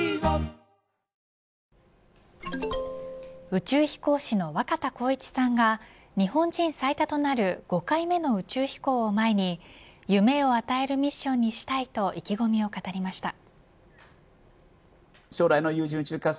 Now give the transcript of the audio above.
宇宙飛行士の若田光一さんが日本人最多となる５回目の宇宙飛行を前に夢を与えるミッションにしたいと意気込みを語りました。